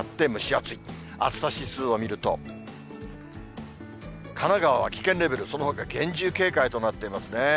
暑さ指数を見ると、神奈川は危険レベル、そのほか厳重警戒となっていますね。